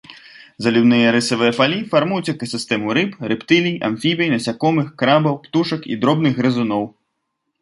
Заліўныя рысавыя палі фармуюць экасістэму рыб, рэптылій, амфібій, насякомых, крабаў, птушак і дробных грызуноў.